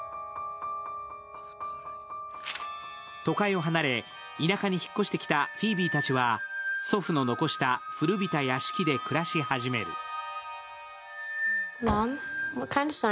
都会を離れ、田舎に引っ越してきたフィービーたちは祖父の残した古びた屋敷で暮らし始める。